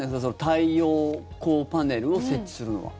太陽光パネルを設置するのは。